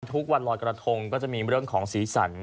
ทุกวันลอยกระทงก็จะมีเรื่องของสีสัน